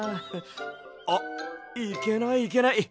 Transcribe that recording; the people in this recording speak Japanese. あっいけないいけない。